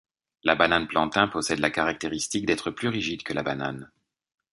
La banane plantain possède la caractéristique d'être plus rigide que la banane.